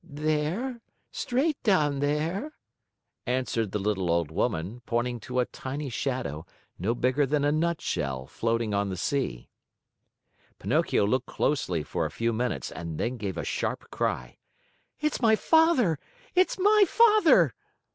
"There. Straight down there," answered the little old woman, pointing to a tiny shadow, no bigger than a nutshell, floating on the sea. Pinocchio looked closely for a few minutes and then gave a sharp cry: "It's my father! It's my father!"